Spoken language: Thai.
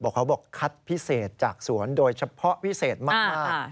เขาบอกคัดพิเศษจากสวนโดยเฉพาะพิเศษมาก